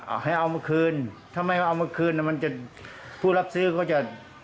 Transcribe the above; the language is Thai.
เอาให้เอามาคืนถ้าไม่เอามาคืนน่ะมันจะผู้รับซื้อก็จะ